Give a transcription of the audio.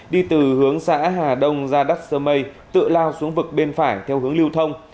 đi từ hướng xã hà đông ra đắc sơ mây tự lao xuống vực bên phải theo hướng lưu thông